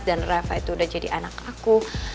dan reva itu udah jadi anak aku